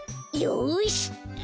よし！